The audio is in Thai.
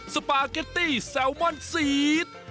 สปาเกตตี้แซลมอนซีด